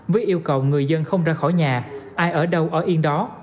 với yêu cầu người dân không ra khỏi nhà ai ở đâu ở yên đó